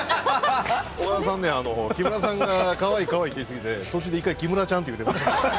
岡田さん「木村さんかわいいかわいい」って言い過ぎて途中で１回「木村ちゃん」って言うてました。